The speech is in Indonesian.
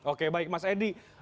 oke baik mas edi